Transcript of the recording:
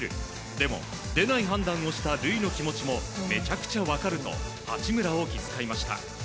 でも、出ない判断をした塁の気持ちもめちゃくちゃ分かると八村を気遣いました。